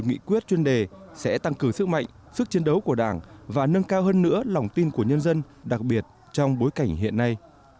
nghị quyết chuyên đề sẽ tăng cường sức mạnh sức chiến đấu của đảng và nâng cao hơn nữa lòng tin của nhân dân đặc biệt trong bối cảnh hiện nay